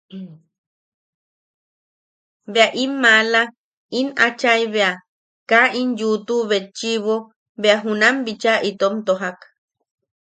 Bea in maala, in achai bea, kaa in yuutu betchiʼibo bea junam bicha itom tojak.